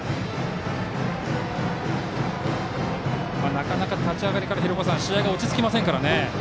なかなか立ち上がりから試合が落ち着きませんからね。